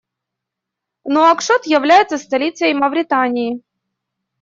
Нуакшот является столицей Мавритании.